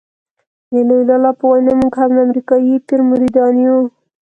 د لوی لالا په وینا موږ هم د امریکایي پیر مریدان یو.